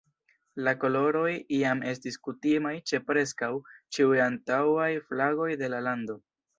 La koloroj jam estis kutimaj ĉe preskaŭ ĉiuj antaŭaj flagoj de la lando.